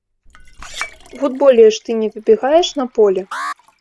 У футболе ж ты не выбегаеш на поле.